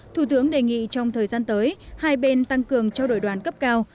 thủ tướng đề nghị trong thời gian tới hai bên tăng cường trao đổi đoàn cấp cao